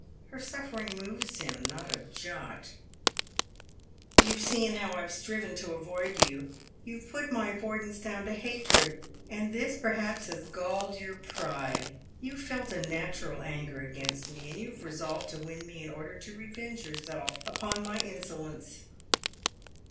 Her suffering moves him not a jot. " You have seen how I have striven to avoid you. You have put my avoidance down to hatred, and this periiaps has galled your pride — you have felt a natural anger against me, and you have re solved to win me in order to revenge yourself upon my insolence."